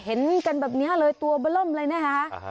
เห็นกันแบบนี้เลยตัวบล้มเลยนะคะ